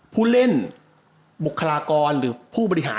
ผู้เล่นบุคลากรหรือผู้บริหาร